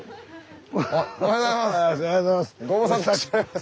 おはようございます。